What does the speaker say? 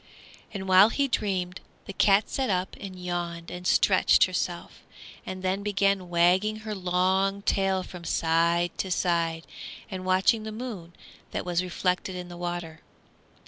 And while he dreamed, the cat sat up and yawned and stretched herself, and then began wagging her long tail from side to side and watching the moon that was reflected in the water.